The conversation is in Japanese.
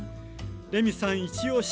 レミさんイチオシ！